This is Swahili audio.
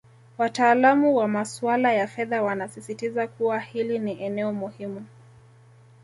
Wataalamu wa masuala ya fedha wanasisitiza kuwa hili ni eneo muhimu